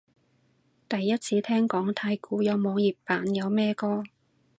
第一次聽講太鼓有網頁版，有咩歌？